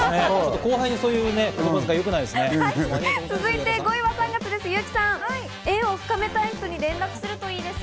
後輩にこういう言葉遣いは良くないですね。